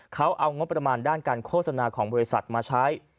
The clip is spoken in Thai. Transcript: เขาเอางบประมาณด้านการโฆษณาของบริษัทมาใช้